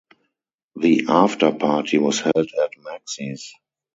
The after party was held at Maxy's.